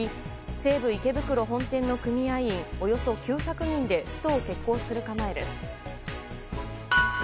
西武池袋本店の組合員およそ９００人でストを決行する構えです。